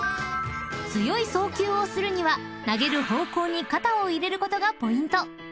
［強い送球をするには投げる方向に肩を入れることがポイント］